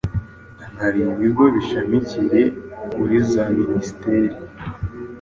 Hari ibigo bishamikiye kuri za Minisiteri